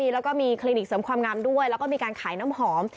แล้วก็มีคลินิกเสริมความงามด้วยแล้วก็มีการขายน้ำหอม